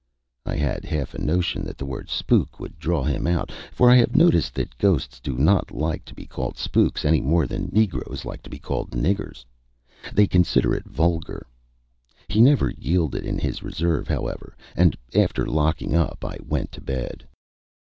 I had half a notion that the word "spook" would draw him out, for I have noticed that ghosts do not like to be called spooks any more than negroes like to be called "niggers." They consider it vulgar. He never yielded in his reserve, however, and after locking up I went to bed.